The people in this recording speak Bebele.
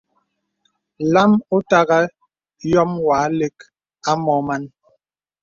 Lām òtagà yôm wà àlə̀k à mɔ màn.